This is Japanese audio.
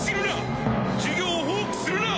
授業を放棄するな！